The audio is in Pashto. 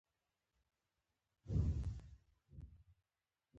د عاج په تخته ګانو کې حکاکي شوې وه